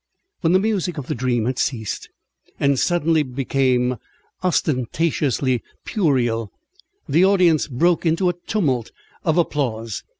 When the music of the dream had ceased and suddenly became ostentatiously puerile, the audience broke into a tumult of applause.